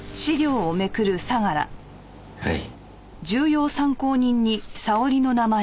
はい。